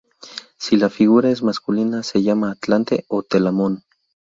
Si la figura es masculina, se llama atlante o telamón.